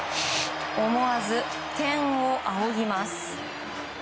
思わず天を仰ぎます。